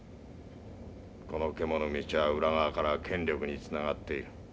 このけものみちは裏側から権力につながっている。